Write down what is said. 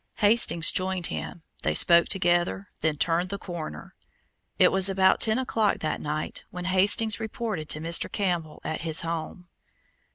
Hastings joined him; they spoke together, then turned the corner. It was about ten o'clock that night when Hastings reported to Mr. Campbell at his home.